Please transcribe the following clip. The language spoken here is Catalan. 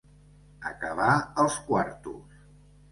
Acabar els quartos.